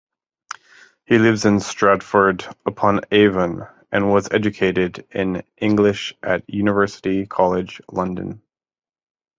He lives in Stratford-upon-Avon and was educated in English at University College, London.